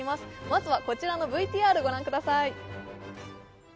まずはこちらのＶＴＲご覧ください